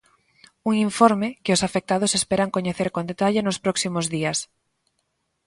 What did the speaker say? Un informe que os afectados esperan coñecer con detalle nos próximos días.